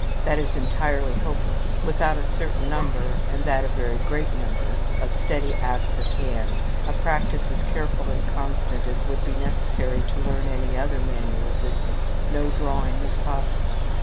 That is entirely hopeless. Without a certain number, and that a very great number, of steady acts of hand a practice as careful and constant as would be necessary to learn any other manual business no drawing is possible.